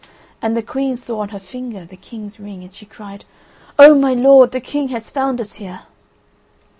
And the Queen saw on her finger the King's ring, and she cried: "O, my lord, the King has found us here!"